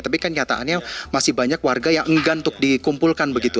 tapi kan nyataannya masih banyak warga yang enggan untuk dikumpulkan begitu